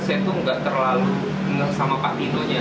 saya tuh nggak terlalu ngeh sama pak tinonya